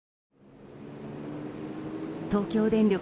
東京電力